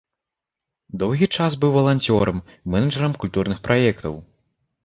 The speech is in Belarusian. Доўгі час быў валанцёрам, менеджарам культурных праектаў.